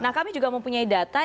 nah kami juga mempunyai data